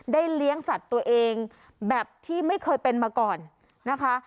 เลี้ยงสัตว์ตัวเองแบบที่ไม่เคยเป็นมาก่อนนะคะ